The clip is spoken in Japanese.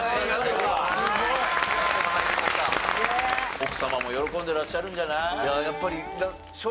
奥様も喜んでらっしゃるんじゃない？